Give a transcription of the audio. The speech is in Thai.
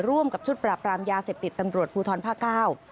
ร่วมกับชุดปราบรามยาเสพติดตำรวจภูทรภาคเก้า